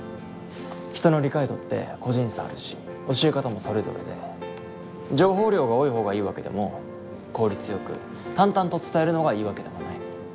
人の理解度って個人差あるし教え方もそれぞれで情報量が多い方がいいわけでも効率よく淡々と伝えるのがいいわけでもない。